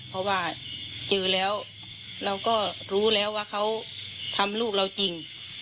เพราะว่าเจอแล้วเราก็รู้แล้วว่าเขาทำลูกเราจริง